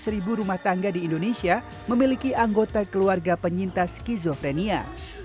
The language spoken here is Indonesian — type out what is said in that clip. tujuh dari seribu rumah tangga di indonesia memiliki anggota keluarga penyintas skizofrenia